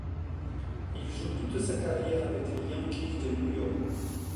Il joue toute sa carrière avec les Yankees de New York.